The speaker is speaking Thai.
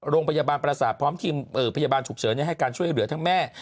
โรงพยาบาลประสาทพร้อมทีมพยาบาลฉุกเฉินให้การช่วยเหลือทั้งแม่